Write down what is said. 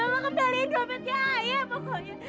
bapak kembalikan dobetnya ayah pokoknya